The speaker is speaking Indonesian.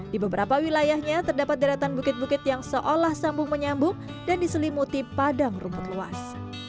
di beberapa wilayahnya terdapat deretan bukit bukit yang seolah sambung menyambung dan diselimuti padang rumput luas